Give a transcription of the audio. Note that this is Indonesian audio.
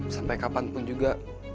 sampai kapan pun juga